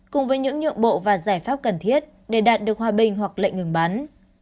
cùng với những nhượng bộ và giải pháp cần thiết để đạt được hòa bình hoặc lệnh ngừng bắn